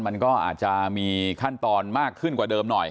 มันก็อาจจะมีขั้นตอนมากขึ้นกว่าเดิมหน่อย